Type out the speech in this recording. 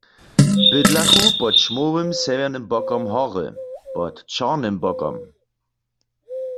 Bydlachu pod ćmowym sewjernym bokom hory, pod čornym bokom.